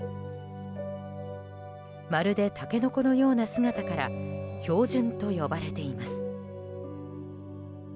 まるでタケノコのような姿から氷筍と呼ばれています。